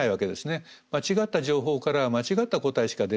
間違った情報からは間違った答えしか出ない。